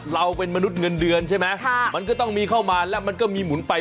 เราเป็นมนุษย์เงินเดือนใช่ไหมมันก็ต้องมีเข้ามาแล้วมันก็มีหมุนไป